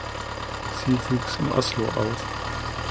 Sie wuchs in Oslo auf.